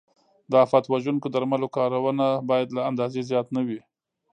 د آفت وژونکو درملو کارونه باید له اندازې زیات نه وي.